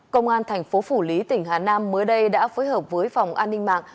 công an thành phố phủ lý tỉnh hà nam mới đây đã phối hợp với phòng an ninh mạng